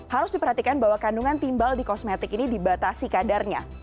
harus diperhatikan bahwa kandungan timbal di kosmetik ini dibatasi kadarnya